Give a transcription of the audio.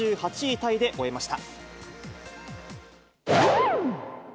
タイで終えました。